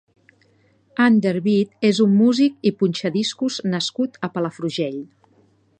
An Der Beat és un músic i punxadiscos nascut a Palafrugell.